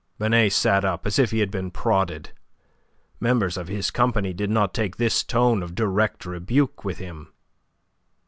Binet sat up as if he had been prodded. Members of his company did not take this tone of direct rebuke with him.